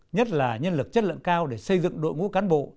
nhất là nhân lực chất lượng cao để xây dựng đội ngũ cán bộ